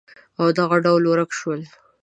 او دغه ډول ورک شول